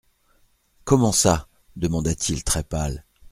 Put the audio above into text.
Comment ça ? demanda-t-il très pâle.